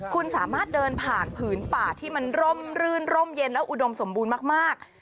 คุณสามารถเดินผ่านผืนป่าที่มันร่มรื่นร่มเย็นและอุดมสมบูรณ์มาก